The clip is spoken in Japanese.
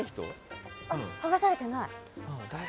剥がされてない。